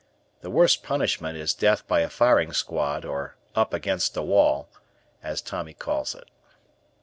The worst punishment is death by a firing squad or "up against the wall" as Tommy calls it.